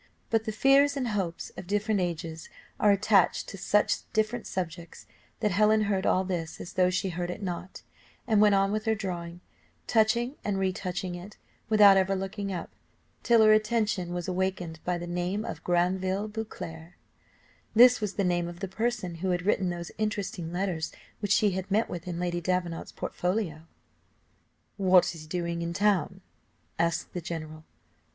But the fears and hopes of different ages are attached to such different subjects, that Helen heard all this as though she heard it not, and went on with her drawing, touching, and retouching it, without ever looking up, till her attention was wakened by the name of Granville Beauclerc; this was the name of the person who had written those interesting letters which she had met with in Lady Davenant's portfolio. "What is he doing in town?" asked the general.